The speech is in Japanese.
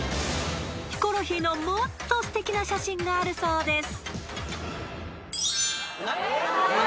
［ヒコロヒーのもっとすてきな写真があるそうです］